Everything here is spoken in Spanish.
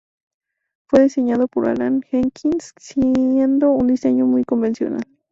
Fue diseñado por Alan Jenkins, siendo un diseño muy convencional.